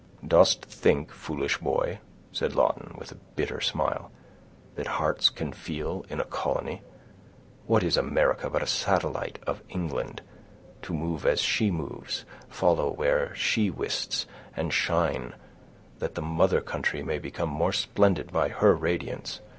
"Dost think, foolish boy," said Lawton, with a bitter smile, "that hearts can feel in a colony? What is America but a satellite of England—to move as she moves, follow where she wists, and shine, that the mother country may become more splendid by her radiance?